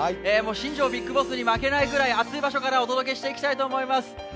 新庄ビッグボスに負けないぐらい熱い場所からお届けしたいと思います。